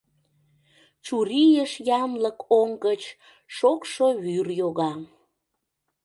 Чурийыш янлык оҥ гыч шокшо вӱр йога.